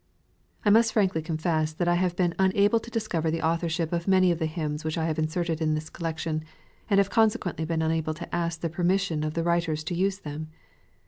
I must frankly confess, that I have been unable to discover the authorship of many of the hymns which I have inserted in this collection, and have consequently been unable to ask the permission of the writers to use them.